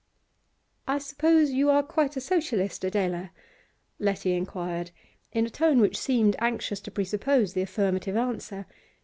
'I suppose you are quite a Socialist, Adela?' Letty inquired, in a tone which seemed anxious to presuppose the affirmative answer.